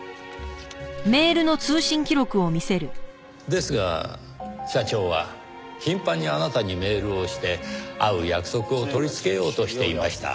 ですが社長は頻繁にあなたにメールをして会う約束を取り付けようとしていました。